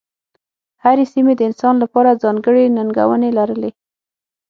هرې سیمې د انسان لپاره ځانګړې ننګونې لرلې.